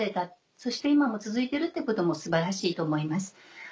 そして今も続いてるってことも素晴らしいと思います。